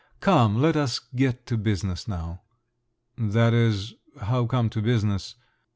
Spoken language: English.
Come, let us get to business now." "That is … how come to business?